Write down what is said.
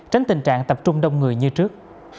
tránh tình trạng tập trung đông người như trước